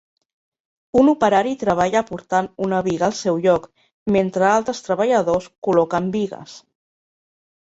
Un operari treballa portant una biga al seu lloc mentre altres treballadors col·loquen bigues.